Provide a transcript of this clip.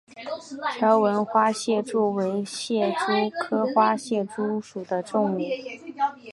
条纹花蟹蛛为蟹蛛科花蟹蛛属的动物。